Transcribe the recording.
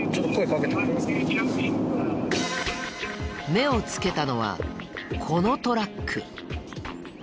目をつけたのはこのトラック。